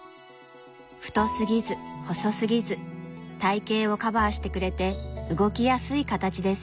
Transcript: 太すぎず細すぎず体形をカバーしてくれて動きやすい形です。